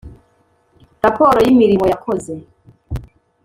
Raporo y imirimo yakoze